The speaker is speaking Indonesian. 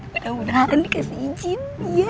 mudah mudahan dikasih izin